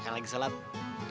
sampai jumpa lagi